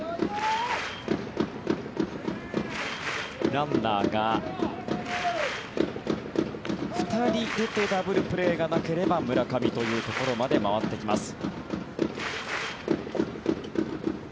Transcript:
ランナーが２人出てダブルプレーがなければ村上というところまで回ってきます。